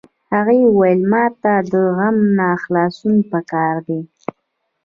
هغې وویل چې ما ته د غم نه خلاصون په کار ده